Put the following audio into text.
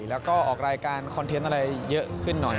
แล้วก็ออกรายการคอนเทนต์อะไรเยอะขึ้นหน่อย